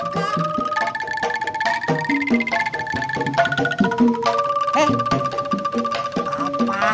tidak ada pemasukan